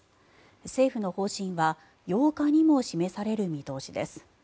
政府の方針は８日にも示される見通しです。